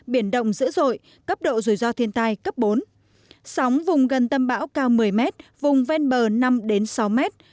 biển động dữ dội cấp độ rủi ro thiên tai cấp bốn sóng vùng gần tâm bão cao một mươi mét vùng ven bờ năm sáu mét